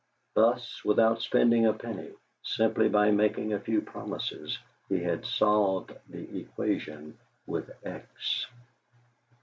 Thus, without spending a penny, simply by making a few promises, he had solved the equation with X.